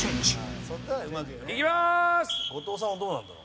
山崎：後藤さんはどうなんだろう？